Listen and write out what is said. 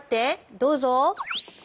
どうぞ。